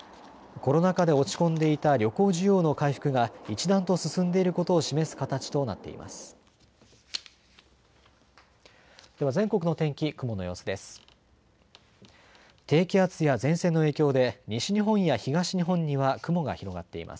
コロナ禍で落ち込んでいた旅行需要の回復が一段と進んでいることを示す形となっています。